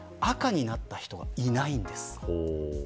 赤になった人はいないんです。